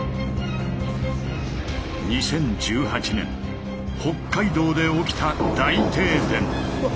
２０１８年北海道で起きた大停電。